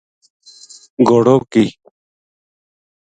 گھوڑو ک